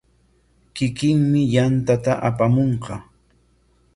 Kikinmi yantata apamunqa.